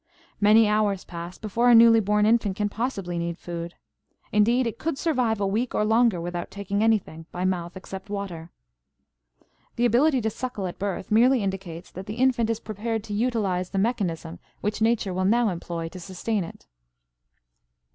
Many hours pass before a newly born infant can possibly need food. Indeed, it could survive a week or longer without taking anything, by mouth, except water. The ability to suckle at birth merely indicates that the infant is prepared to utilize the mechanism which nature will now employ to sustain it.